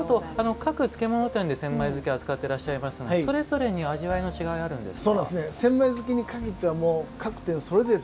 各漬物店で千枚漬を扱っていますがそれぞれに味わいの違いあるんですか。